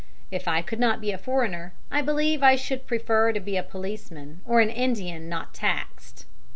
If I could not be a foreigner, I believe I should prefer to be a policeman or an Indian not taxed.